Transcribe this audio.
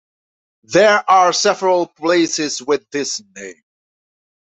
There are several places with this name.